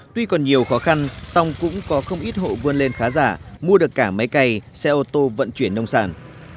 tuy còn nhiều khó khăn song cũng có không ít hộ vươn lên khá giả mua được cả máy cày xe ô tô vận chuyển nông sản